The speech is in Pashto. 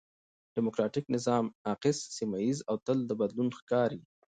ډيموکراټ نظام ناقص، سمیه ييز او تل د بدلون ښکار یي.